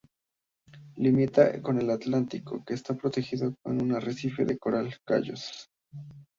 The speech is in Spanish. Limita con el Atlántico, que está protegida por un arrecife de coral, cayos.